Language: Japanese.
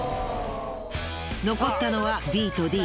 残ったのはＢとＤ。